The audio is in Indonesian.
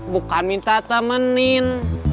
bukan minta temenin